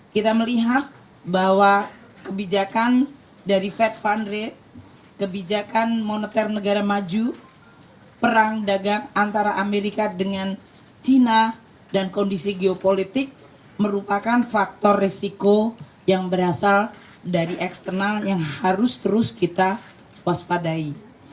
kita melihat bahwa kebijakan dari fed fund rate kebijakan moneter negara maju perang dagang antara amerika dengan china dan kondisi geopolitik merupakan faktor resiko yang berasal dari eksternal yang harus terus kita waspadai